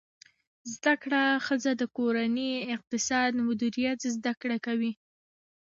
زده کړه ښځه د کورني اقتصاد مدیریت زده کوي.